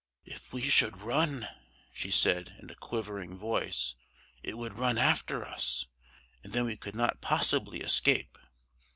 "If we should run," she said, in a quivering voice, "it would run after us, and then we could not possibly escape.